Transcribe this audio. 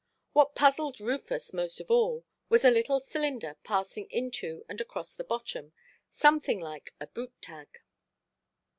What puzzled Rufus most of all was a little cylinder passing into and across the bottom, something like a boot–tag.